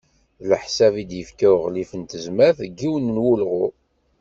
D leḥsab i d-yefka uɣlif n tezmert, deg yiwen n wulɣu.